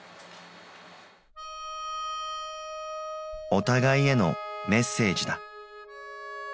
お互いへのメッセージだ。